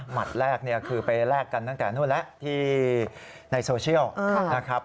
แรกเนี่ยคือไปแลกกันตั้งแต่นู่นแล้วที่ในโซเชียลนะครับ